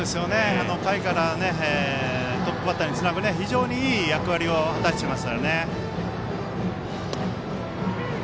下位からトップバッターにつなぐいい役割を果たしていますよね。